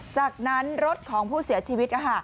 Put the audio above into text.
จากนั้นรถของผู้เสียชีวิต